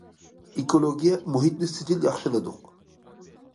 ئېكولوگىيە- مۇھىتنى سىجىل ياخشىلىدۇق.